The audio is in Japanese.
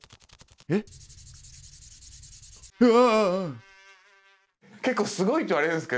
えっ？うわ！